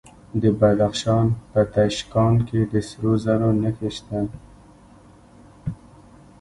د بدخشان په تیشکان کې د سرو زرو نښې شته.